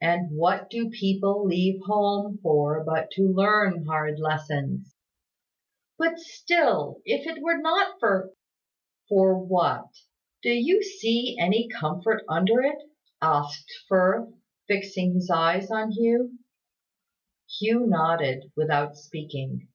"And what do people leave home for but to learn hard lessons?" "But still, if it were not for " "For what? Do you see any comfort under it?" asked Firth, fixing his eyes on Hugh. Hugh nodded, without speaking.